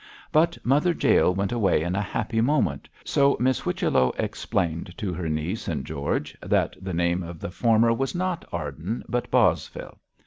But Mother Jael went away in a happy moment, so Miss Whichello explained to her niece and George that the name of the former was not 'Arden' but 'Bosvile.'